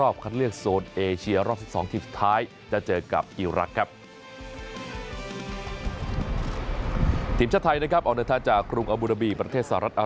เพื่อเดินทางไปยังประเทศอีราน